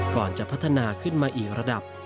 ก่อนจะพัฒนาขึ้นมาอีกระดับ